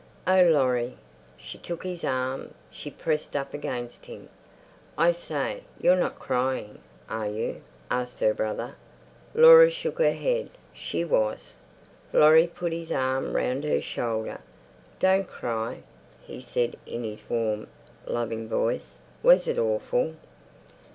Oh, Laurie!" She took his arm, she pressed up against him. "I say, you're not crying, are you?" asked her brother. Laura shook her head. She was. Laurie put his arm round her shoulder. "Don't cry," he said in his warm, loving voice. "Was it awful?"